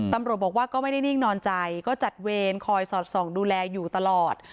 ตำรวจบอกว่าก็ไม่ได้นิ่งนอนใจก็จัดเวรคอยสอดส่องดูแลอยู่ตลอด